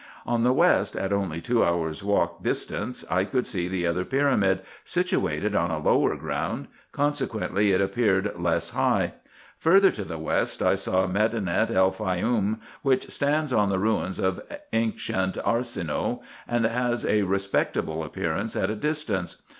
On the west, at only two hours' walk distance, I could see the other pyramid, situated on a lower ground ; consequently it appeared less high. Further to the west, I saw Medinet El Faioum, which stands on the ruins of ancient Arsinoe, and has a respectable appearance at a distance.